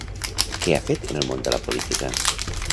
Què ha fet en el món de la política?